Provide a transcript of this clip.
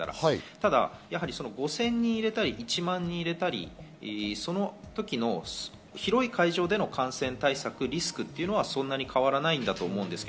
ただ５０００人出たり、１万に入れたり、その時の広い会場での感染対策リスクはそんなに変わらないと思うんです。